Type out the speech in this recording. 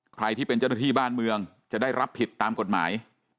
ใครที่เป็นเจ้าหน้าที่บ้านเมืองจะได้รับผิดตามกฎหมาย